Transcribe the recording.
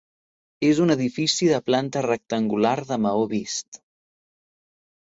És un edifici de planta rectangular de maó vist.